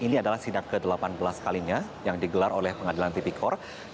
ini adalah sinar ke delapan belas kalinya yang digelar oleh pengadilan tindak perdana korupsi jakarta